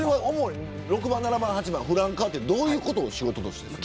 ６番、７番、８番フランカーってどういうことをするんですか。